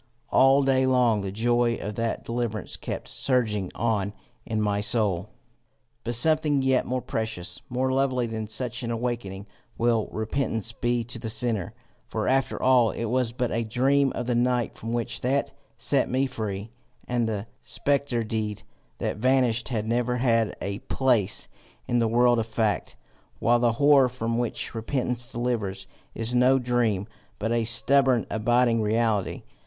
All day long the joy of that deliverance kept surging on in my soul. "But something yet more precious, more lovely than such an awaking, will repentance be to the sinner; for after all it was but a dream of the night from which that set me free, and the spectre deed that vanished had never had a place in the world of fact; while the horror from which repentance delivers, is no dream, but a stubborn abiding reality.